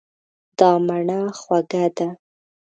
دا مڼه خوږه ده.